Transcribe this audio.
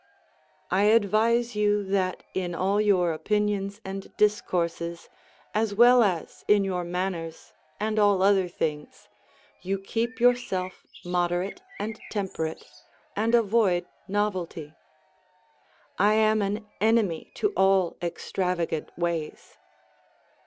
I advise you that, in all your opinions and discourses, as well as in your manners and all other things, you keep yourself moderate and temperate, and avoid novelty; I am an enemy to all extravagant ways.